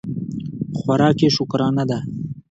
خوراک یې شکرانه ده.